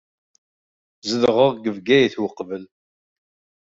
Tzedɣeḍ deg Bgayet uqbel?